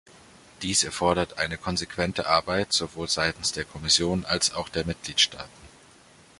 Dies erfordert eine konsequente Arbeit sowohl seitens der Kommission als auch der Mitgliedstaaten.